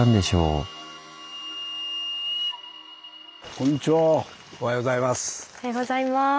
おはようございます。